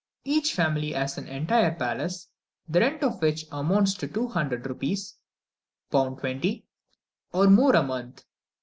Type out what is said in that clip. Each family has an entire palace, the rent of which amounts to two hundred rupees (20 pounds), or more, a month.